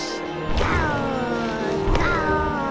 ガオガオ！